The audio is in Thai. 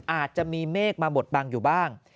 อาจจะมีเมฆมาบดบังอยู่บ้าง